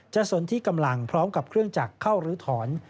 สนที่กำลังพร้อมกับเครื่องจักรเข้ารื้อถอน